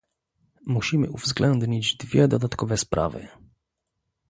Musimy uwzględnić dwie dodatkowe sprawy